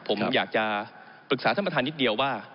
ผมอยากจะปรึกษาท่านประธานนิดเดียวว่า